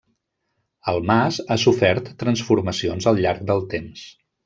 El mas ha sofert transformacions al llarg del temps.